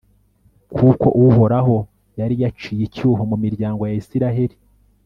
kuko uhoraho yari yaciye icyuho mu miryango ya israheli